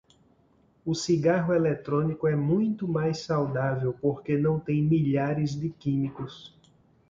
O cigarro eletrônico é muito mais saudável porque não tem milhares de químicos